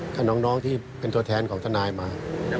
กับน้องที่เป็นตัวแทนของทนายมา